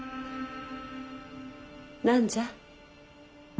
何じゃ？